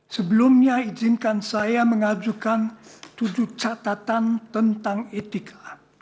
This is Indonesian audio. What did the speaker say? sebelumnya izinkan saya mengajukan tujuh catatan tentang etika